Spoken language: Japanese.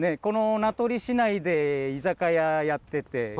この名取市内で居酒屋やってて。